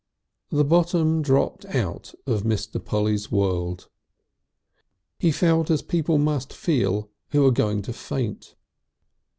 The bottom dropped out of Mr. Polly's world. He felt as people must feel who are going to faint.